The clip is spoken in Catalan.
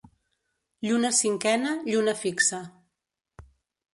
Lluna cinquena, lluna fixa.